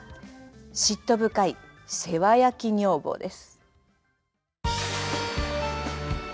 嫉妬深い世話焼き女房です。